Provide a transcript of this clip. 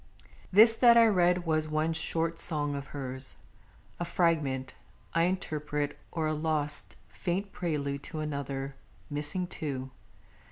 This that I read was one short song of hers, A fragment, I interpret, or a lost Faint prelude to another missing too.